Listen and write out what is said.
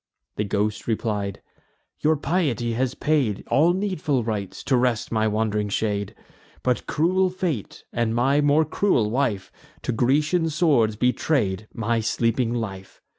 The ghost replied: "Your piety has paid All needful rites, to rest my wand'ring shade; But cruel fate, and my more cruel wife, To Grecian swords betray'd my sleeping life.